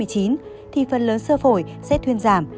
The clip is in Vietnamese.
thì phần lớn sơ phổi sẽ thuyên giảm